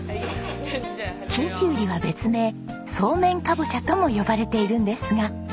キンシウリは別名そうめんカボチャとも呼ばれているんですが。